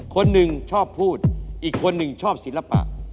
คนหนึ่งชอบพูดอีกคนหนึ่งชอบศิลปะ